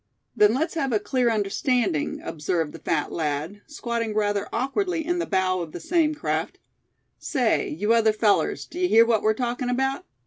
"Then let's have a clear understanding," observed the fat lad, squatting rather awkwardly in the bow of the same craft; "say, you other fellows, d'ye hear what we're talking about?"